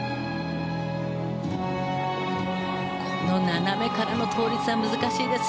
斜めからの倒立は難しいです。